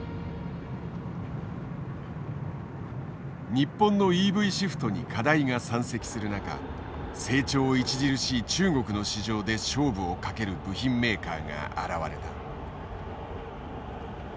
日本のＥＶシフトに課題が山積する中成長著しい中国の市場で勝負をかける部品メーカーが現れた。